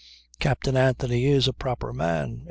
Captain Anthony is a proper man.